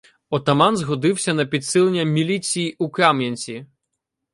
Отаман згодився на підсилення "міліції” у Кам'янці.